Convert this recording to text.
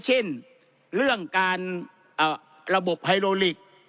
เช่นเรื่องการระบบไฮโลลิก